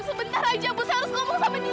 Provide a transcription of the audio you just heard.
sebentar aja bu saya harus ngomong sama dia